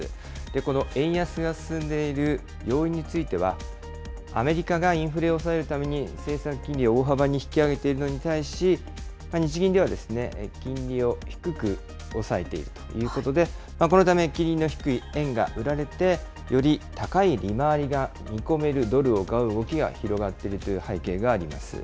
この円安が進んでいる要因については、アメリカがインフレを抑えるために政策金利を大幅に引き上げているのに対し、日銀では金利を低く抑えているということで、このため、金利の低い円が売られて、より高い利回りが見込めるドルを買う動きが広がっているという背景があります。